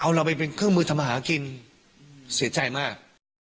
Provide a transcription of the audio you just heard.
เอาเราไปเป็นเครื่องมือทำมาหากินเสียใจมาก